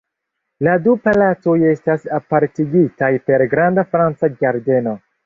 La du palacoj estas apartigitaj per granda franca ĝardeno.